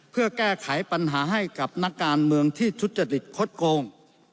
เพื่อแก้ไขปัญหาให้กับนักการเมืองที่ทุจริตคดโกง